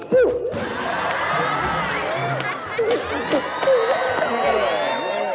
โอเค